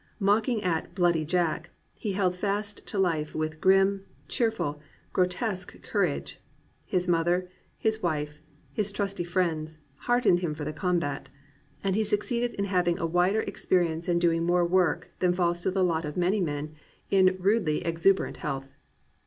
Mock ing at "bloody Jack" he held fast to life with grim, cheerful, grotesque courage; his mother, his wife, his trusty friends, heartened him for the combat; and he succeeded in having a wider experience and doing more work than falls to the lot of many men in rudely exuberant health.